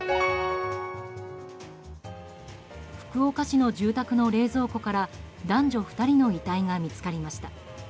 福岡市の住宅の冷蔵庫から男女２人の遺体が見つかりました。